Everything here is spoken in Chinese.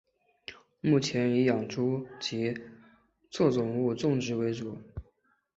目前以养猪及作物种植为主。